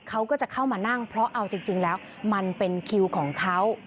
เขาก็จะเข้ามานั่งเพราะเอาจริงแล้วมันเป็นคิวของเขา